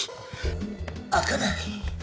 開かない。